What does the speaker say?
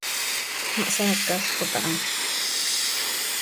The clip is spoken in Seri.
Ma hsaacalcot aha.